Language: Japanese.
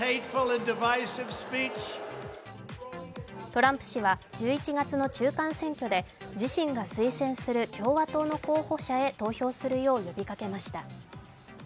トランプ氏は１１月の中間選挙で自身が推薦する共和党の候補者へ投票するよう呼びかけました。